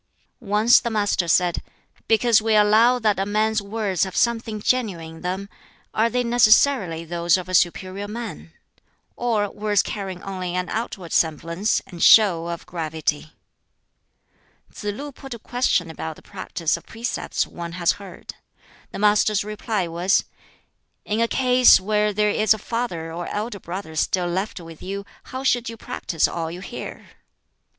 Once the Master said, "Because we allow that a man's words have something genuine in them, are they necessarily those of a superior man? or words carrying only an outward semblance and show of gravity?" Tsz lu put a question about the practice of precepts one has heard. The Master's reply was, "In a case where there is a father or elder brother still left with you, how should you practise all you hear?"